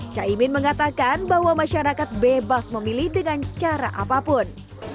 caimin mengatakan bahwa masyarakat bebas memilih dengan cara apapun